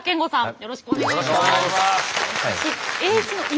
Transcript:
よろしくお願いします。